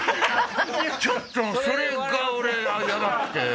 ちょっとそれが俺ヤバくて。